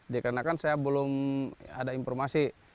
dikarenakan saya belum ada informasi